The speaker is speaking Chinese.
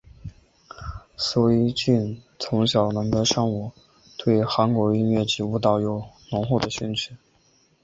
苏一晋从小能歌善舞对韩国音乐及舞蹈有浓厚的兴趣。